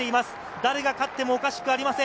誰が勝っても、おかしくありません。